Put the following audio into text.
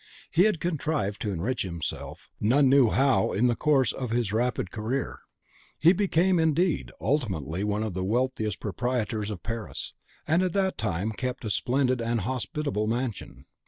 He had contrived to enrich himself none knew how in the course of his rapid career. He became, indeed, ultimately one of the wealthiest proprietors of Paris, and at that time kept a splendid and hospitable mansion.